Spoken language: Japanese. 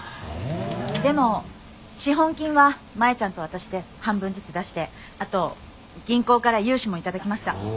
でも資本金は舞ちゃんと私で半分ずつ出してあと銀行から融資も頂きました。